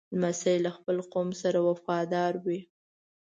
لمسی له خپل قوم سره وفادار وي.